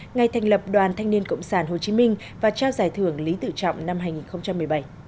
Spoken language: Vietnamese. ngày thành lập đoàn thanh niên cộng sản hồ chí minh và trao giải thưởng lý tự trọng năm hai nghìn một mươi bảy